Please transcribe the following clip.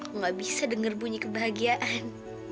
aku gak bisa denger bunyi kebahagiaan